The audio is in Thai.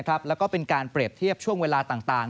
แล้วก็เป็นการเปรียบเทียบช่วงเวลาต่าง